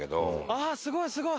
ああーすごいすごい！